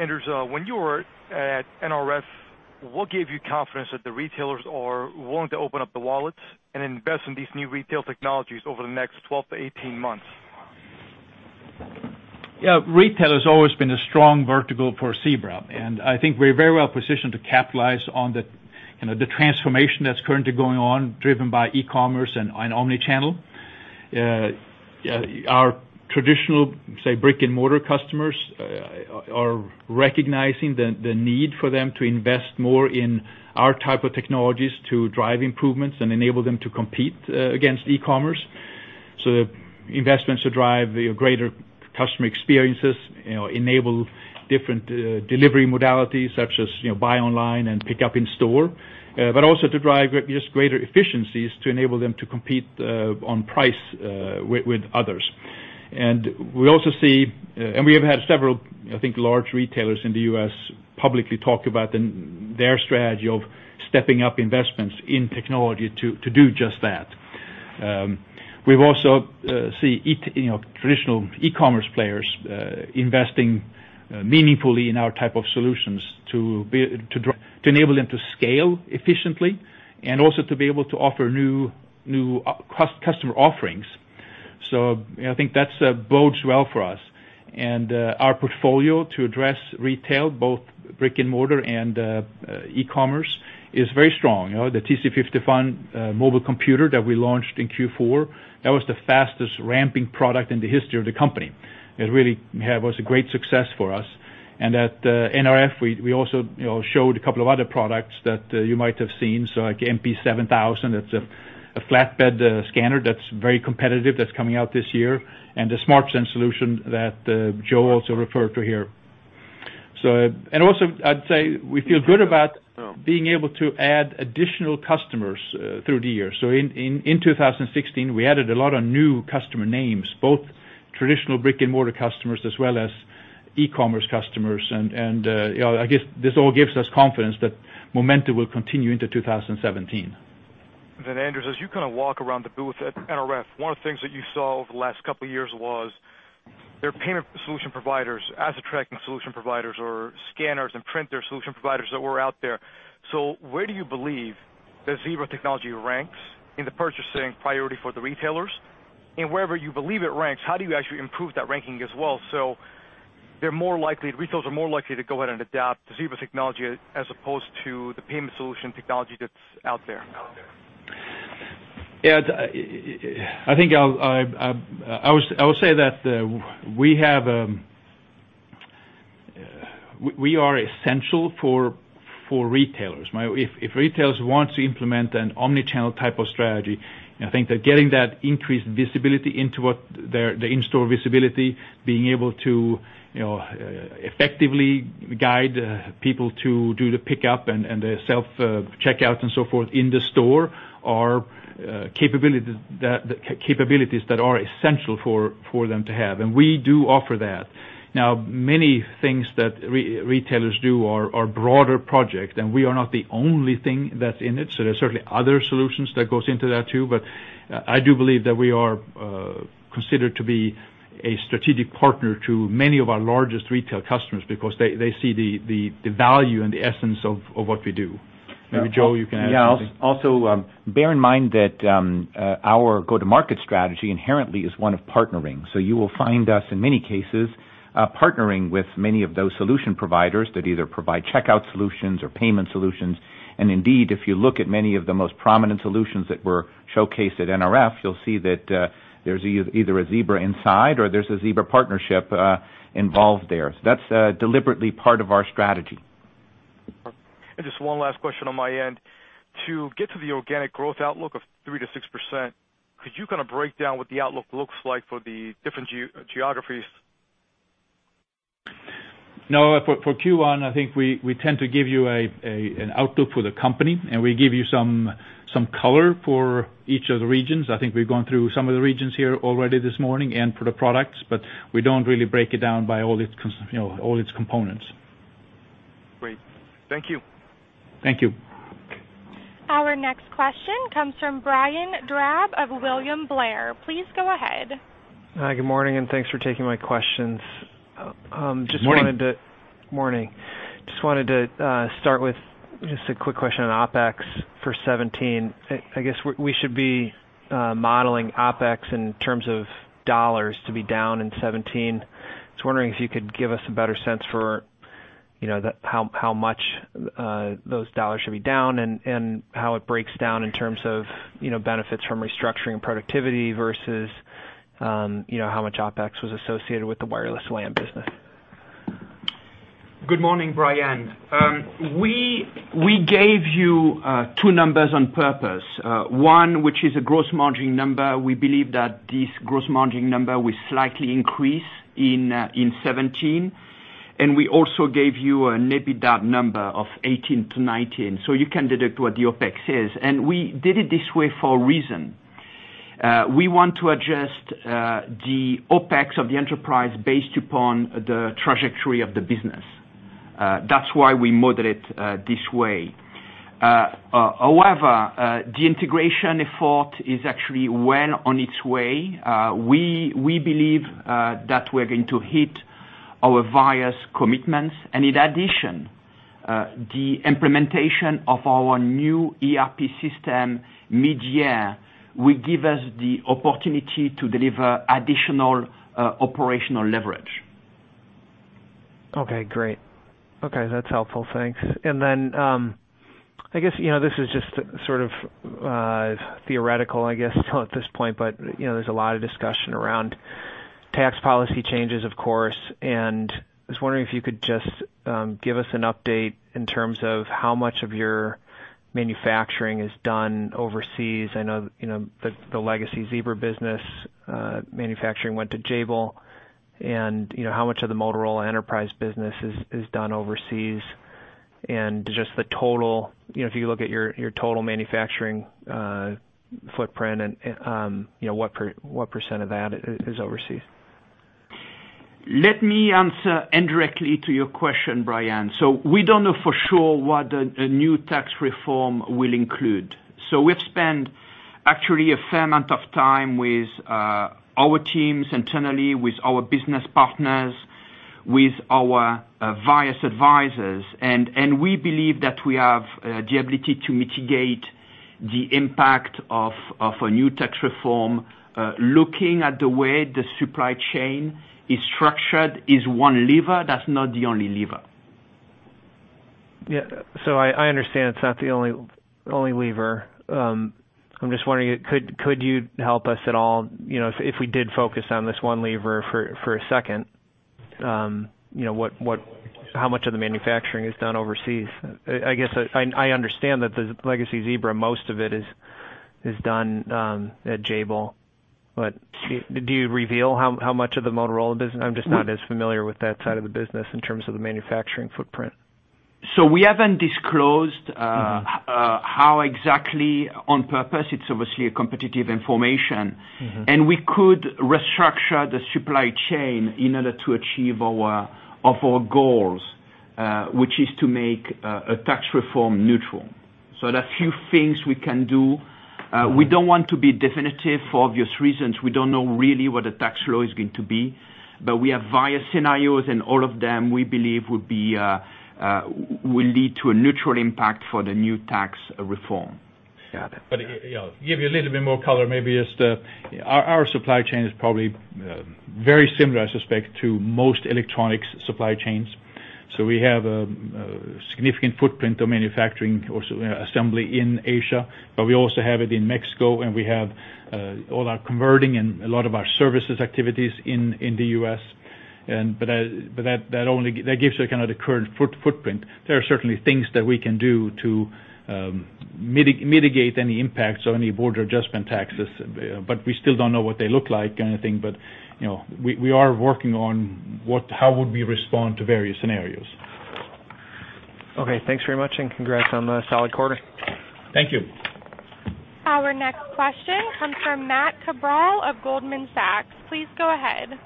Speaker 9: Anders, when you were at NRF, what gave you confidence that the retailers are willing to open up the wallets and invest in these new retail technologies over the next 12-18 months?
Speaker 3: Yeah. Retail has always been a strong vertical for Zebra. I think we're very well positioned to capitalize on the transformation that's currently going on, driven by e-commerce and omnichannel. Our traditional, say, brick-and-mortar customers, are recognizing the need for them to invest more in our type of technologies to drive improvements and enable them to compete against e-commerce. The investments to drive greater customer experiences, enable different delivery modalities such as buy online and pick up in store, also to drive just greater efficiencies to enable them to compete on price with others. We have had several, I think, large retailers in the U.S. publicly talk about their strategy of stepping up investments in technology to do just that. We also see traditional e-commerce players investing meaningfully in our type of solutions to enable them to scale efficiently and also to be able to offer new customer offerings. I think that bodes well for us. Our portfolio to address retail, both brick-and-mortar and e-commerce, is very strong. The TC51 mobile computer that we launched in Q4, that was the fastest ramping product in the history of the company. It really was a great success for us. At NRF, we also showed a couple of other products that you might have seen. Like MP7000, that's a flatbed scanner that's very competitive, that's coming out this year, and the SmartSense solution that Joe also referred to here. Also, I'd say, we feel good about being able to add additional customers, through the year. In 2016, we added a lot of new customer names, both traditional brick-and-mortar customers as well as e-commerce customers. I guess this all gives us confidence that momentum will continue into 2017.
Speaker 9: Anders, as you kind of walk around the booth at NRF, one of the things that you saw over the last couple of years was their payment solution providers, asset tracking solution providers, or scanners and printer solution providers that were out there. Where do you believe that Zebra Technologies ranks in the purchasing priority for the retailers? Wherever you believe it ranks, how do you actually improve that ranking as well, so retailers are more likely to go ahead and adopt the Zebra technology as opposed to the payment solution technology that's out there?
Speaker 3: I would say that we are essential for retailers. If retailers want to implement an omnichannel type of strategy, I think that getting that increased visibility into the in-store visibility, being able to effectively guide people to do the pickup and the self-checkout and so forth in the store are capabilities that are essential for them to have. We do offer that. Now, many things that retailers do are broader projects, and we are not the only thing that's in it. There's certainly other solutions that goes into that too. I do believe that we are considered to be a strategic partner to many of our largest retail customers because they see the value and the essence of what we do. Maybe Joe, you can add something.
Speaker 6: Yeah. Also, bear in mind that our go-to-market strategy inherently is one of partnering. You will find us, in many cases, partnering with many of those solution providers that either provide checkout solutions or payment solutions. Indeed, if you look at many of the most prominent solutions that were showcased at NRF, you'll see that there's either a Zebra inside or there's a Zebra partnership involved there. That's deliberately part of our strategy.
Speaker 9: Just one last question on my end. To get to the organic growth outlook of 3%-6%, could you kind of break down what the outlook looks like for the different geographies?
Speaker 3: No. For Q1, I think we tend to give you an outlook for the company, we give you some color for each of the regions. I think we've gone through some of the regions here already this morning, for the products. We don't really break it down by all its components.
Speaker 9: Great. Thank you.
Speaker 3: Thank you.
Speaker 1: Our next question comes from Brian Drab of William Blair. Please go ahead.
Speaker 10: Hi, good morning. Thanks for taking my questions.
Speaker 3: Morning.
Speaker 10: Morning. Just wanted to start with just a quick question on OpEx for 2017. I guess we should be modeling OpEx in terms of dollars to be down in 2017. I was wondering if you could give us a better sense for how much those dollars should be down and how it breaks down in terms of benefits from restructuring and productivity versus how much OpEx was associated with the wireless LAN business.
Speaker 4: Good morning, Brian. We gave you two numbers on purpose. One, which is a gross margin number. We believe that this gross margin number will slightly increase in 2017. We also gave you an EBITDA number of 18-19. You can deduct what the OpEx is. We did it this way for a reason. We want to adjust the OpEx of the enterprise based upon the trajectory of the business. That's why we model it this way. However, the integration effort is actually well on its way. We believe that we're going to hit our various commitments. In addition, the implementation of our new ERP system mid-year will give us the opportunity to deliver additional operational leverage.
Speaker 10: Okay, great. Okay, that's helpful. Thanks. I guess this is just sort of theoretical, I guess, still at this point, but there's a lot of discussion around tax policy changes, of course. I was wondering if you could just give us an update in terms of how much of your manufacturing is done overseas. I know the legacy Zebra business manufacturing went to Jabil, and how much of the Motorola Enterprise business is done overseas, and just the total, if you look at your total manufacturing footprint and what % of that is overseas.
Speaker 4: Let me answer indirectly to your question, Brian. We don't know for sure what a new tax reform will include. We've spent actually a fair amount of time with our teams internally, with our business partners, with our various advisors. We believe that we have the ability to mitigate the impact of a new tax reform. Looking at the way the supply chain is structured is one lever. That's not the only lever.
Speaker 10: Yeah. I understand it's not the only lever. I'm just wondering, could you help us at all, if we did focus on this one lever for a second, how much of the manufacturing is done overseas? I guess I understand that the legacy Zebra, most of it is done at Jabil. Do you reveal how much of the Motorola business, I'm just not as familiar with that side of the business in terms of the manufacturing footprint.
Speaker 4: We haven't disclosed how exactly on purpose. It's obviously a competitive information. We could restructure the supply chain in order to achieve of our goals, which is to make a tax reform neutral. There are few things we can do. We don't want to be definitive for obvious reasons. We don't know really what the tax law is going to be, but we have various scenarios, and all of them, we believe, will lead to a neutral impact for the new tax reform.
Speaker 10: Got it.
Speaker 3: To give you a little bit more color, maybe just our supply chain is probably very similar, I suspect, to most electronics supply chains. We have a significant footprint of manufacturing or assembly in Asia, but we also have it in Mexico, and we have all our converting and a lot of our services activities in the U.S. That gives you the current footprint. There are certainly things that we can do to mitigate any impacts or any border adjustment taxes, but we still don't know what they look like or anything. We are working on how would we respond to various scenarios.
Speaker 10: Okay. Thanks very much, and congrats on a solid quarter.
Speaker 3: Thank you.
Speaker 1: Our next question comes from Matt Cabral of Goldman Sachs. Please go ahead.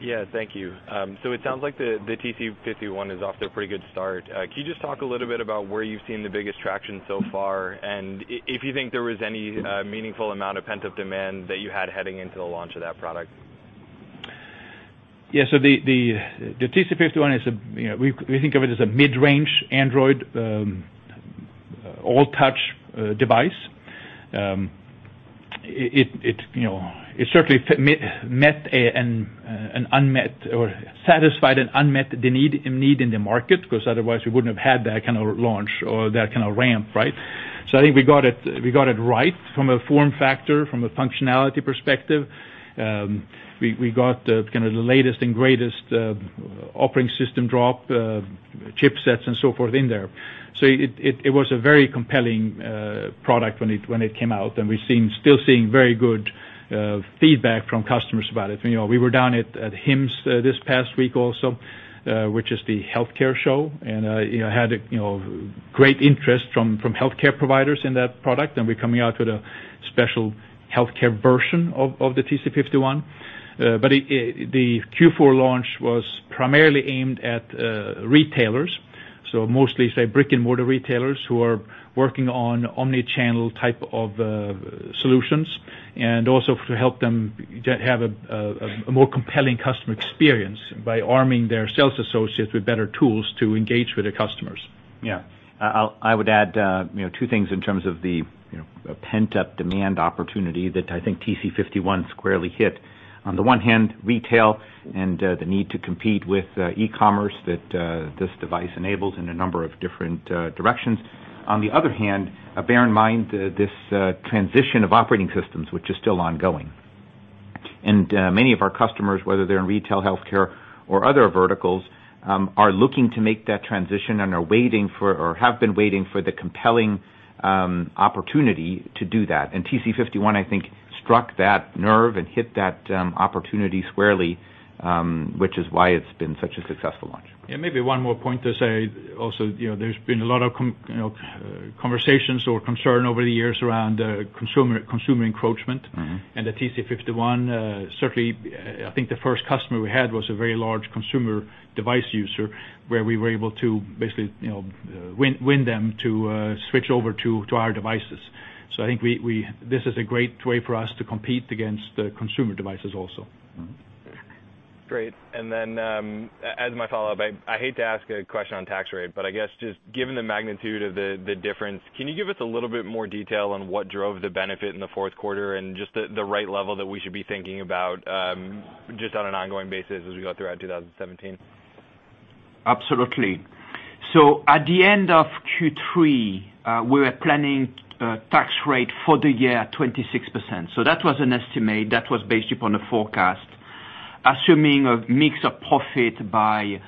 Speaker 11: Yeah, thank you. It sounds like the TC51 is off to a pretty good start. Can you just talk a little bit about where you've seen the biggest traction so far, and if you think there was any meaningful amount of pent-up demand that you had heading into the launch of that product?
Speaker 3: Yeah. The TC51, we think of it as a mid-range Android all-touch device. It certainly met an unmet or satisfied an unmet need in the market, because otherwise we wouldn't have had that kind of launch or that kind of ramp, right? I think we got it right from a form factor, from a functionality perspective. We got the latest and greatest operating system drop, chipsets, and so forth in there. It was a very compelling product when it came out, and we're still seeing very good feedback from customers about it. We were down at HIMSS this past week also, which is the healthcare show, and had great interest from healthcare providers in that product. We're coming out with a special healthcare version of the TC51. The Q4 launch was primarily aimed at retailers, mostly, say, brick-and-mortar retailers who are working on omni-channel type of solutions, also to help them have a more compelling customer experience by arming their sales associates with better tools to engage with their customers.
Speaker 6: Yeah. I would add two things in terms of the pent-up demand opportunity that I think TC51 squarely hit. On the one hand, retail and the need to compete with e-commerce that this device enables in a number of different directions. On the other hand, bear in mind this transition of operating systems, which is still ongoing. Many of our customers, whether they're in retail, healthcare, or other verticals, are looking to make that transition and are waiting for or have been waiting for the compelling opportunity to do that. TC51, I think, struck that nerve and hit that opportunity squarely, which is why it's been such a successful launch.
Speaker 3: Maybe one more point to say also, there's been a lot of conversations or concern over the years around consumer encroachment. The TC51, certainly, I think the first customer we had was a very large consumer device user, where we were able to basically win them to switch over to our devices. I think this is a great way for us to compete against consumer devices also.
Speaker 11: Great. As my follow-up, I hate to ask a question on tax rate, I guess just given the magnitude of the difference, can you give us a little bit more detail on what drove the benefit in the fourth quarter and just the right level that we should be thinking about, just on an ongoing basis as we go throughout 2017?
Speaker 4: Absolutely. At the end of Q3, we were planning a tax rate for the year at 26%. That was an estimate that was based upon a forecast, assuming a mix of profit by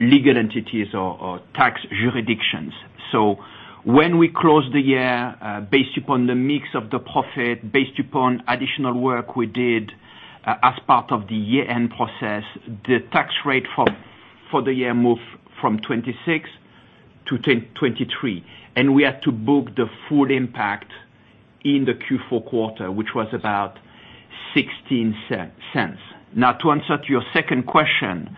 Speaker 4: legal entities or tax jurisdictions. When we closed the year, based upon the mix of the profit, based upon additional work we did as part of the year-end process, the tax rate for the year moved from 26 to 23, and we had to book the full impact in the Q4 quarter, which was about $0.16. To answer your second question,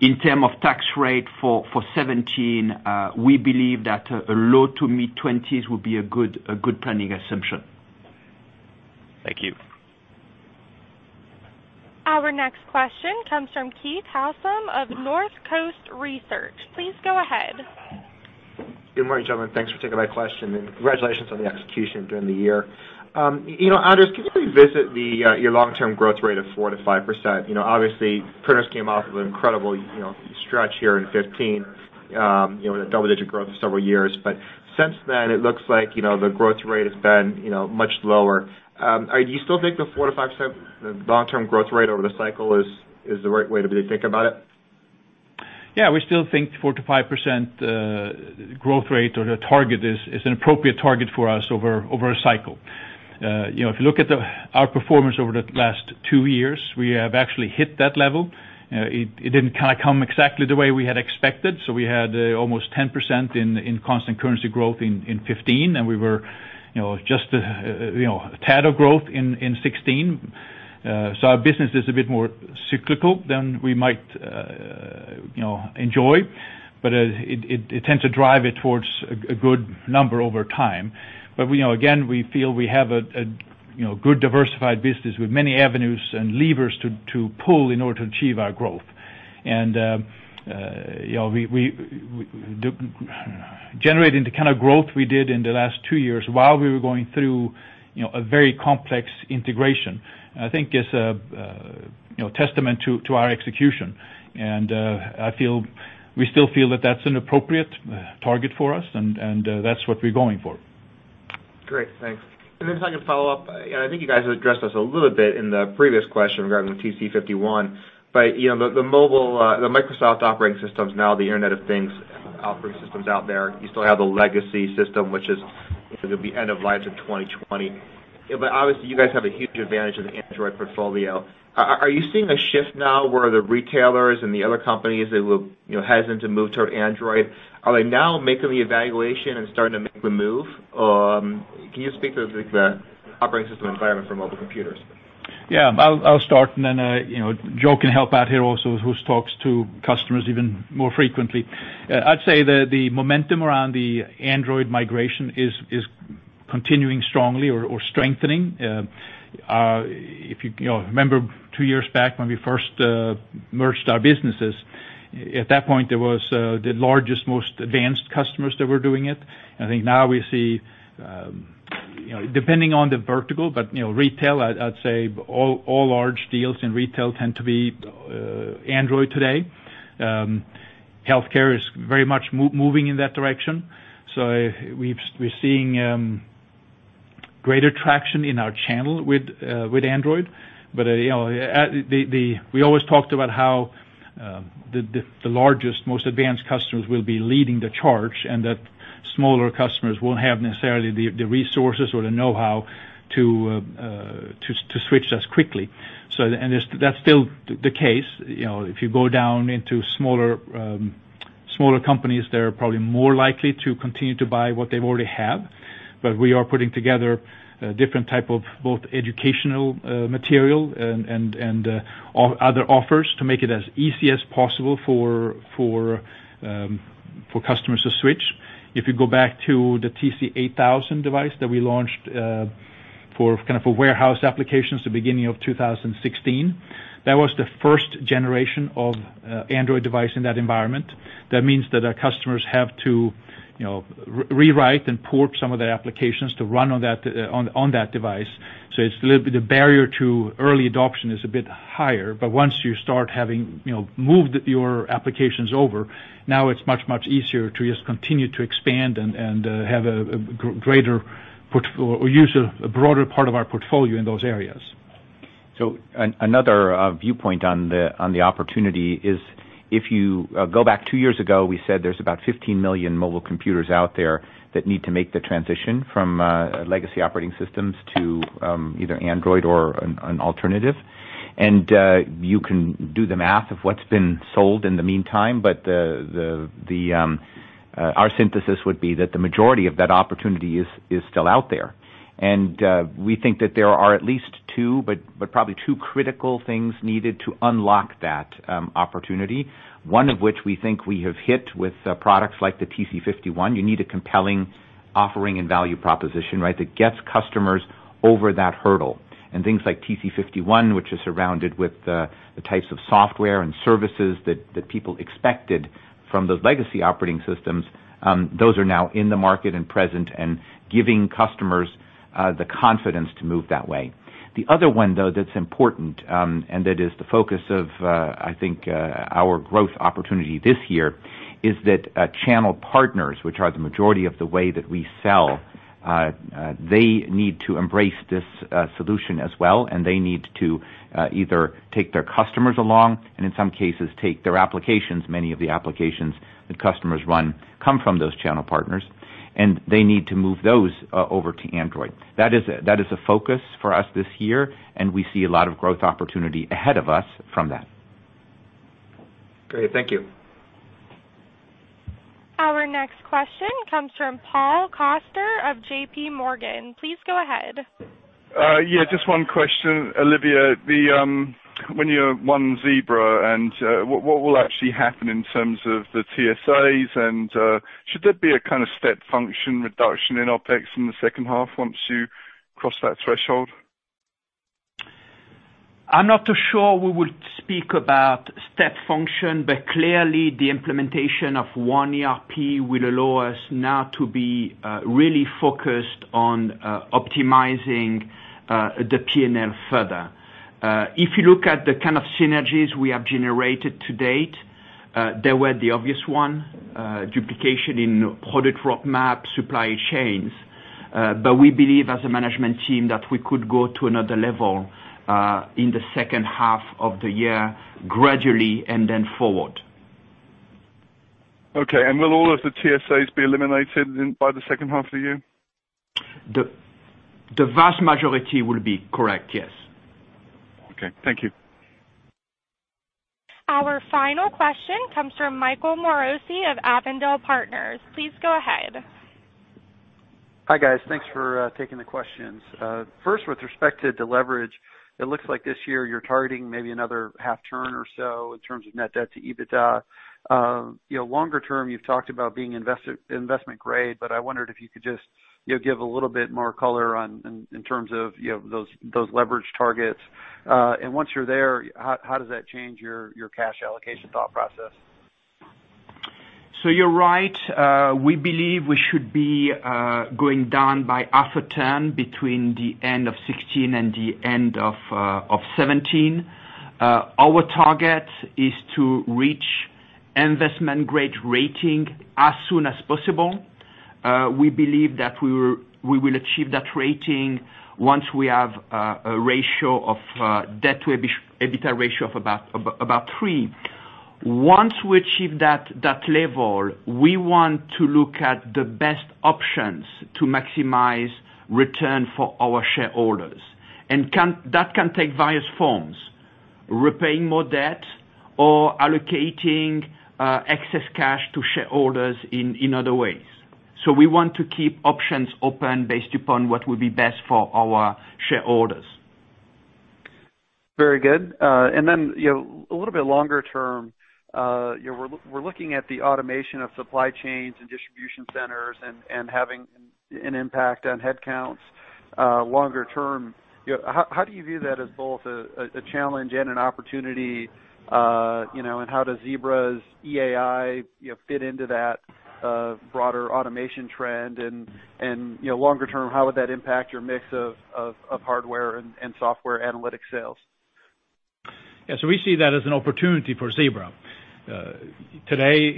Speaker 4: in term of tax rate for 2017, we believe that a low to mid-20s would be a good planning assumption.
Speaker 11: Thank you.
Speaker 1: Our next question comes from Keith Housum of Northcoast Research. Please go ahead.
Speaker 12: Good morning, gentlemen. Thanks for taking my question. Congratulations on the execution during the year. Anders, can you please visit your long-term growth rate of 4% to 5%? Obviously, printers came off of an incredible stretch here in 2015, with double-digit growth for several years. Since then, it looks like the growth rate has been much lower. Do you still think the 4% to 5% long-term growth rate over the cycle is the right way to really think about it?
Speaker 3: We still think 4% to 5% growth rate or the target is an appropriate target for us over a cycle. If you look at our performance over the last two years, we have actually hit that level. It didn't come exactly the way we had expected. We had almost 10% in constant currency growth in 2015. We were just a tad of growth in 2016. Our business is a bit more cyclical than we might enjoy. It tends to drive it towards a good number over time. Again, we feel we have a good diversified business with many avenues and levers to pull in order to achieve our growth. Generating the kind of growth we did in the last two years while we were going through a very complex integration, I think is a testament to our execution. We still feel that that's an appropriate target for us, and that's what we're going for.
Speaker 12: Great. Thanks. If I can follow up, I think you guys addressed this a little bit in the previous question regarding the TC51. The mobile, the Microsoft operating systems now, the Internet of Things operating systems out there, you still have the legacy system, which is, it'll be end of life in 2020. Obviously, you guys have a huge advantage in the Android portfolio. Are you seeing a shift now where the retailers and the other companies that were hesitant to move toward Android, are they now making the evaluation and starting to make the move? Can you speak to the operating system environment for mobile computers?
Speaker 3: Yeah. I'll start, and then Joe can help out here also, who talks to customers even more frequently. I'd say the momentum around the Android migration is continuing strongly or strengthening. If you remember two years back when we first merged our businesses, at that point, there was the largest, most advanced customers that were doing it. I think now we see, depending on the vertical, but retail, I'd say all large deals in retail tend to be Android today. Healthcare is very much moving in that direction. We're seeing greater traction in our channel with Android. We always talked about how the largest, most advanced customers will be leading the charge, and that smaller customers won't have necessarily the resources or the know-how to switch as quickly. That's still the case. If you go down into smaller companies, they're probably more likely to continue to buy what they already have. We are putting together different type of both educational material and other offers to make it as easy as possible for customers to switch. If you go back to the TC8000 device that we launched for warehouse applications at the beginning of 2016, that was the first generation of Android device in that environment. That means that our customers have to rewrite and port some of their applications to run on that device. The barrier to early adoption is a bit higher, but once you start having moved your applications over, now it's much easier to just continue to expand and have a greater use of a broader part of our portfolio in those areas.
Speaker 6: Another viewpoint on the opportunity is if you go back two years ago, we said there's about 15 million mobile computers out there that need to make the transition from legacy operating systems to either Android or an alternative. You can do the math of what's been sold in the meantime. Our synthesis would be that the majority of that opportunity is still out there. We think that there are at least two, but probably two critical things needed to unlock that opportunity. One of which we think we have hit with products like the TC51. You need a compelling offering and value proposition, right, that gets customers over that hurdle. Things like TC51, which is surrounded with the types of software and services that people expected from those legacy operating systems, those are now in the market and present and giving customers the confidence to move that way. The other one, though, that's important, and that is the focus of, I think, our growth opportunity this year, is that channel partners, which are the majority of the way that we sell, they need to embrace this solution as well, and they need to either take their customers along and, in some cases, take their applications, many of the applications that customers run come from those channel partners, and they need to move those over to Android. That is a focus for us this year, and we see a lot of growth opportunity ahead of us from that.
Speaker 12: Great. Thank you.
Speaker 1: Our next question comes from Paul Coster of JP Morgan. Please go ahead.
Speaker 13: Just one question, Olivier. When you're one Zebra, what will actually happen in terms of the TSAs, should there be a kind of step function reduction in OpEx in the second half once you cross that threshold?
Speaker 4: I'm not too sure we would speak about step function, clearly the implementation of one ERP will allow us now to be really focused on optimizing the P&L further. If you look at the kind of synergies we have generated to date, there were the obvious one, duplication in product roadmap, supply chains. We believe as a management team that we could go to another level, in the second half of the year, gradually and then forward.
Speaker 13: Okay. Will all of the TSAs be eliminated by the second half of the year?
Speaker 4: The vast majority will be. Correct, yes.
Speaker 13: Okay. Thank you.
Speaker 1: Our final question comes from Michael Morosi of Avondale Partners. Please go ahead.
Speaker 14: Hi, guys. Thanks for taking the questions. First, with respect to the leverage, it looks like this year you're targeting maybe another half turn or so in terms of net debt to EBITDA. Longer term, you've talked about being investment grade, but I wondered if you could just give a little bit more color in terms of those leverage targets. Once you're there, how does that change your cash allocation thought process?
Speaker 4: You're right. We believe we should be going down by half a turn between the end of 2016 and the end of 2017. Our target is to reach investment grade rating as soon as possible. We believe that we will achieve that rating once we have a ratio of debt to EBITDA ratio of about three. Once we achieve that level, we want to look at the best options to maximize return for our shareholders. That can take various forms, repaying more debt or allocating excess cash to shareholders in other ways. We want to keep options open based upon what would be best for our shareholders.
Speaker 14: Very good. A little bit longer term, we're looking at the automation of supply chains and distribution centers and having an impact on headcounts. Longer term, how do you view that as both a challenge and an opportunity? How does Zebra's EAI fit into that broader automation trend? Longer term, how would that impact your mix of hardware and software analytic sales?
Speaker 3: Yeah. We see that as an opportunity for Zebra. Today,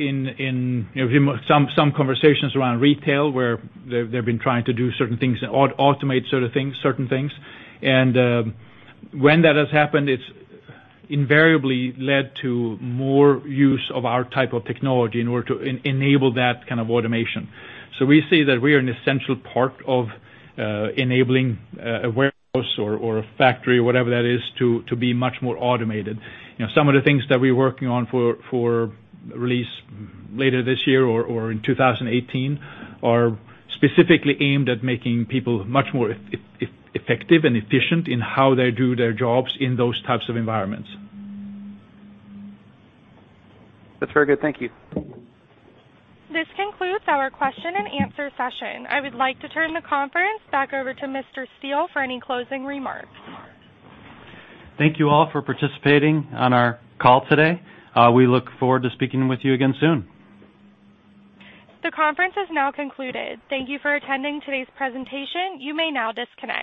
Speaker 3: some conversations around retail where they've been trying to do certain things, automate certain things. When that has happened, it's invariably led to more use of our type of technology in order to enable that kind of automation. We see that we are an essential part of enabling a warehouse or a factory or whatever that is to be much more automated. Some of the things that we're working on for release later this year or in 2018 are specifically aimed at making people much more effective and efficient in how they do their jobs in those types of environments.
Speaker 14: That's very good. Thank you.
Speaker 1: This concludes our question and answer session. I would like to turn the conference back over to Mr. Steele for any closing remarks.
Speaker 2: Thank you all for participating on our call today. We look forward to speaking with you again soon.
Speaker 1: The conference has now concluded. Thank you for attending today's presentation. You may now disconnect.